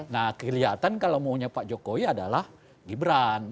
nah kelihatan kalau maunya pak jokowi adalah gibran